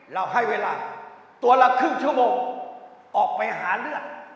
เราให้เวลาตัวละครึ่งชั่วโมงออกไปหาเลือด